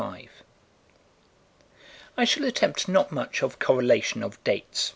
5 I shall attempt not much of correlation of dates.